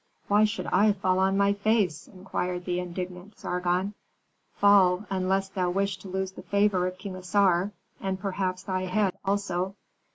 "Why should I fall on my face?" inquired the indignant Sargon. "Fall, unless thou wish to lose the favor of King Assar, and perhaps thy head also."